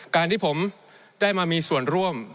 การที่ผมได้มามีส่วนร่วม